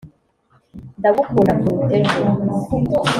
ndagukunda kuruta ejo